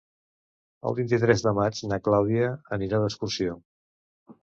El vint-i-tres de maig na Clàudia anirà d'excursió.